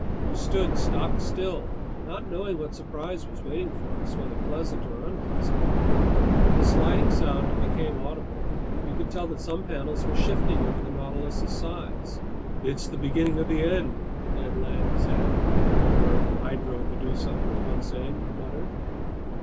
We stood stock still, not knowing what surprise was waiting for us, whether pleasant or unpleasant. But a sliding sound became audible. You could tell that some panels were shifting over the Nautilus's sides. "It's the beginning of the end!" Ned Land said. "... order Hydromedusa," Conseil muttered.